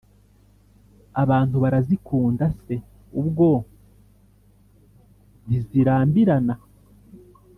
abantu barazikunda se ubwo ntizirambirana?